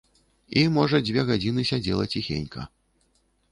І, можа, дзве гадзіны сядзела ціхенька.